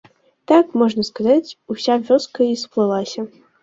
Так, можна сказаць, уся вёска і сплылася.